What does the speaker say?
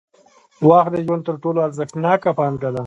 وخت د ژوند تر ټولو ارزښتناکه پانګه ده.